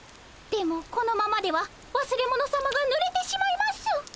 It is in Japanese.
でもこのままでは忘れ物さまがぬれてしまいます！